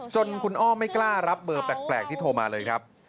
จนคุณอ้อไม่กล้ารับเบอร์แปลกที่โทรมาเลยครับ